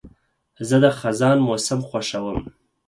زه د خزان موسم خوښوم.